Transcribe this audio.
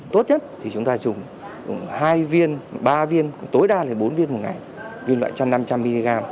tốt nhất thì chúng ta dùng hai viên ba viên tối đa là bốn viên một ngày viên loại một trăm linh năm trăm linh mg